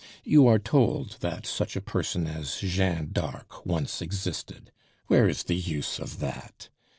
You are told that such a person as Jeanne Darc once existed; where is the use of that?